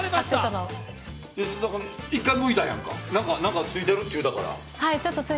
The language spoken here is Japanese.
１回、向いたやんか、何かついてるって言うたから。